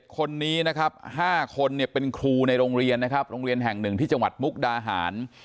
๗คนนี้๕คนเป็นครูในโรงเรียนแห่ง๑ที่จังหวัดมุกดาหาร